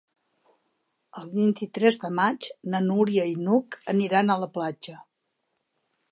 El vint-i-tres de maig na Núria i n'Hug aniran a la platja.